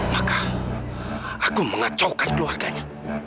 maka aku mengacaukan keluarganya